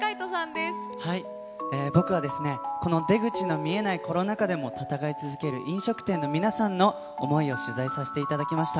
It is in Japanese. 僕は、この出口の見えないコロナ禍でも闘い続ける飲食店の皆さんの想いを取材させていただきました。